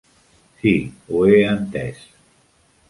Sí, ho he entès.